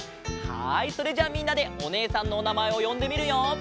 はいそれじゃあみんなでおねえさんのおなまえをよんでみるよ！